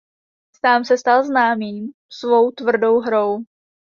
Sám se stal známým svou tvrdou hrou.